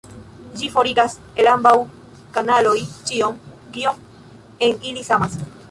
Ĝi forigas el ambaŭ kanaloj ĉion, kio en ili samas.